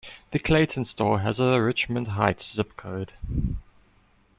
The Clayton store has a Richmond Heights zip code.